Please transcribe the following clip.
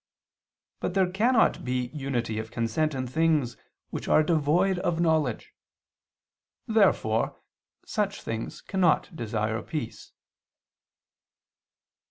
But there cannot be unity of consent in things which are devoid of knowledge. Therefore such things cannot desire peace.